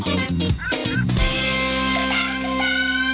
โปรดติดตามตอนต่อไป